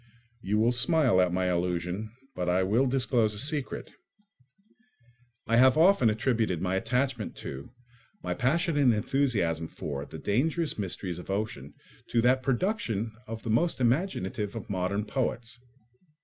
You will smile at my allusion, but I will disclose a secret. I have often attributed my attachment to, my passionate enthusiasm for, the dangerous mysteries of ocean to that production of the most imaginative of modern poets.